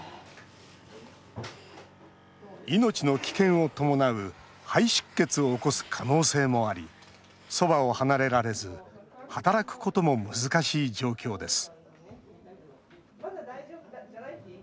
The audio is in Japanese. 命の危険を伴う肺出血を起こす可能性もあり、そばを離れられず働くことも難しい状況です